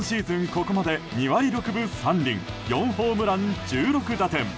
ここまで２割６分３厘４ホームラン、１６打点。